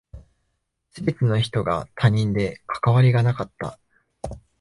全ての人が他人で関わりがなかった。